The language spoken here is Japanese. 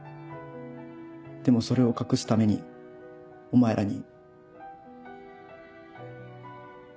でもそれを隠すためにお前らに。